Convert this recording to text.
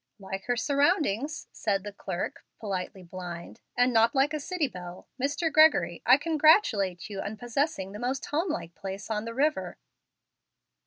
"Like her surroundings," said the clerk, politely blind, "and not like a city belle. Mr. Gregory, I congratulate you on possessing the most home like place on the river."